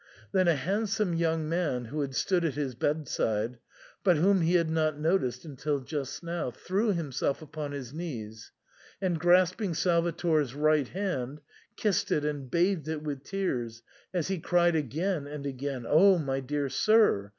Then a handsome young man, who had stood at his bedside, but whom he had not noticed until just now, threw himself upon his knees, and grasping Salvator s right hand, kissed it and bathed it with tears, as he cried again and again, " Oh ! my dear sir